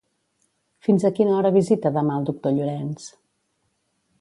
Fins a quina hora visita demà el doctor Llorenç?